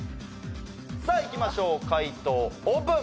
さあいきましょう回答オープン！